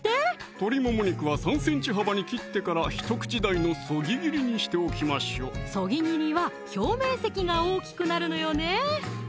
鶏もも肉は３ｃｍ幅に切ってから１口大のそぎ切りにしておきましょうそぎ切りは表面積が大きくなるのよね